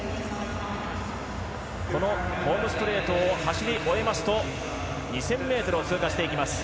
このホームストレートを走り終えますと２０００ｍを通過していきます。